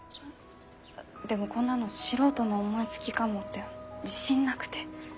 でもこんなの素人の思いつきかもって自信なくて。